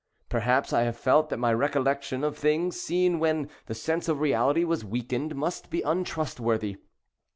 Perhaps I have felt that my recollections of things seen when the sense of reality was weakened must be 138 untrustworthy.